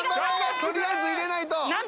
取りあえず入れないと！